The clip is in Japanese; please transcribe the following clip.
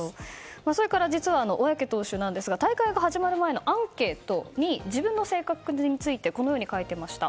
それから実は小宅投手ですが大会が始まる前のアンケートに自分の性格についてこのように書いていました。